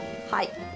はい。